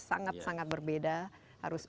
sangat sangat berbeda harus